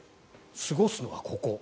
過ごすのはここ。